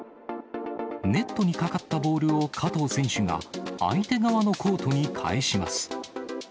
ネットにかかったボールを加藤選手が、相手側のコートに返します。